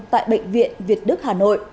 tại bệnh viện việt đức hà nội